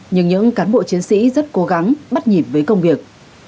nhưng những cán bộ chiến sĩ rất cố gắng bắt nhịp với công việc